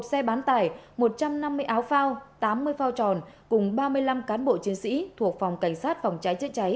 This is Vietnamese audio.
một xe bán tải một trăm năm mươi áo phao tám mươi phao tròn cùng ba mươi năm cán bộ chiến sĩ thuộc phòng cảnh sát phòng cháy chữa cháy